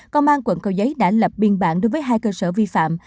công an quận cầu giấy đã lập biên bản đối với hai cơ sở vi phạm